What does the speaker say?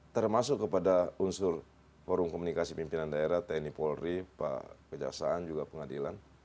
termasuk kepada unsur forum komunikasi pimpinan daerah tni polri pak kejaksaan juga pengadilan